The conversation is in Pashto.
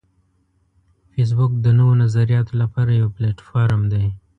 فېسبوک د نوو نظریاتو لپاره یو پلیټ فارم دی